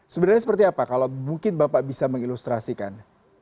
sebenarnya seperti apa kalau mungkin bapak bisa mengilustrasikan